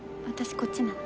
こっちなので。